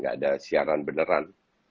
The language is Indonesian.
banyak siaran beneran